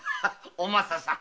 お政さん